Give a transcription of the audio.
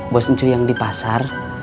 bos itu yang di pasar